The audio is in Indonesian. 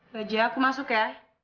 bajak aku masuk ya